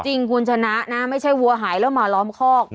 จริงคุณชนะนะไม่ใช่วัวหายแล้วมาล้อมคอก